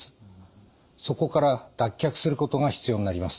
そこから脱却することが必要になります。